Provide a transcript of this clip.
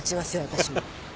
私も。